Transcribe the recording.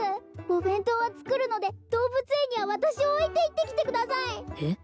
お弁当は作るので動物園には私を置いて行ってきてくださいえっ？